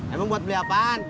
emang buat beli apaan